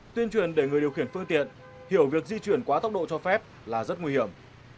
tuyên truyền để người điều khiển phương tiện hiểu việc di chuyển quá tốc độ cho phép là rất nguy hiểm